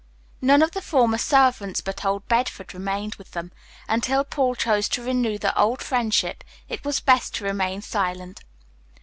None of the former servants but old Bedford remained with them, and till Paul chose to renew the old friendship it was best to remain silent.